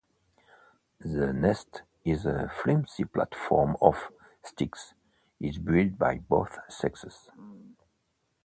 The nest is a flimsy platform of sticks is built by both sexes.